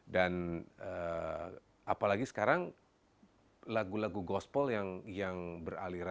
dan apalagi sekarang lagu lagu gospel yang beraliran